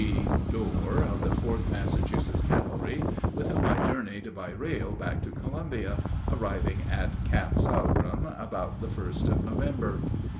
G. Dorr of the 4th Massachusetts Cavalry, with whom I journeyed by rail back to Columbia, arriving at "Camp Sorghum" about the 1st of November.